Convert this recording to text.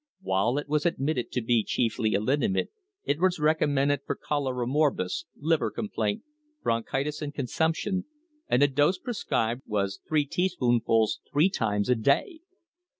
While it was admitted to be chiefly a liniment it was recommended for cholera morbus, i liver complaint, bronchitis and consumption, and the dose i prescribed was three teaspoonfuls three times a day!